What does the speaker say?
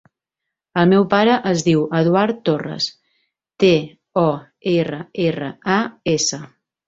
El meu pare es diu Eduard Torras: te, o, erra, erra, a, essa.